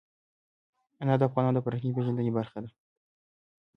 انار د افغانانو د فرهنګي پیژندنې برخه ده.